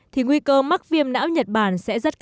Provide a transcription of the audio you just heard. thì nguy cơ mắc viêm não nhật bản